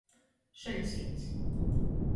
Šeļcīņs.